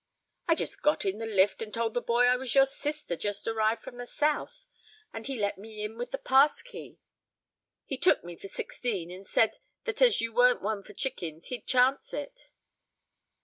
"I just got in the lift and told the boy I was your sister just arrived from the South and he let me in with the pass key. He took me for sixteen and said that as you weren't one for chickens he'd chance it."